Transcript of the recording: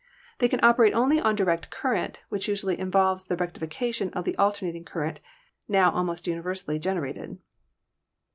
They can operate only on direct current, which usually involves the rectification of the alternating current, now almost universally generated.